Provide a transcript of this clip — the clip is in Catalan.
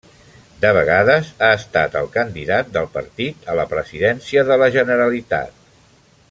De vegades ha estat el candidat del partit a la Presidència de la Generalitat.